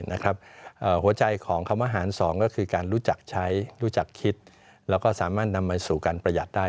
หัวใจของคำว่าหาร๒ก็คือการรู้จักใช้รู้จักคิดแล้วก็สามารถนำมาสู่การประหยัดได้